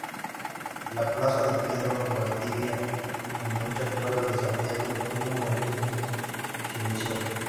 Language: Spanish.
La Plaza Pedro de Valdivia, como muchas plazas de Santiago, tuvo un origen silencioso.